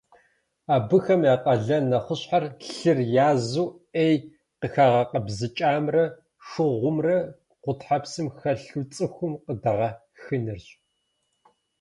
Абыхэм я къалэн нэхъыщхьэр - лъыр язу, ӏей къыхагъэкъэбзыкӏамрэ шыгъумрэ гъутхьэпсым хэлъу цӏыхум къыдэгъэхынырщ.